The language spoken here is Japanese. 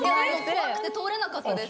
怖くて通れなかったです。